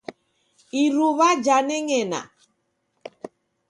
Iruw'a janeng'ena.